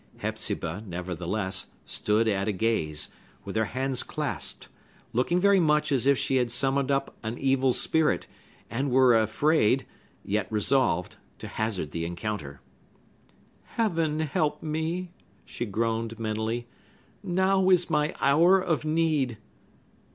Hepzibah, nevertheless, stood at a gaze, with her hands clasped, looking very much as if she had summoned up an evil spirit, and were afraid, yet resolved, to hazard the encounter. "Heaven help me!" she groaned mentally. "Now is my hour of need!"